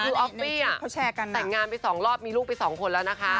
คือออฟฟี่น่ะแสดงงานไปสองรอบมีลูกไปสองคนแล้วนะคะ